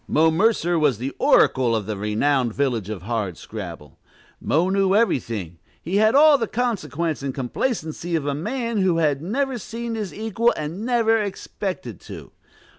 Mo Mercer was the oracle of the renowned village of Hardscrabble. "Mo" knew everything; he had all the consequence and complacency of a man who had never seen his equal, and never expected to.